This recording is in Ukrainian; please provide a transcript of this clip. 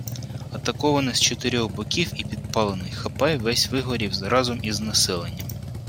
Атакований з чотирьох боків і підпалений, Хапай весь вигорів разом із населенням